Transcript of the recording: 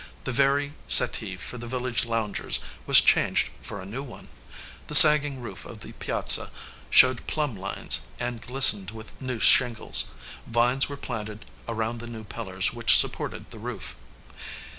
The very settee for the village loungers was changed for a new one. The sagging roof of the piazza showed plumb lines and glis tened with new shingles. Vines were planted around the new pillars which supported the roof.